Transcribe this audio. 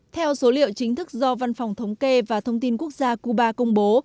theo số liệu chính thức do văn phòng thống kê và thông tin quốc gia cuba công bố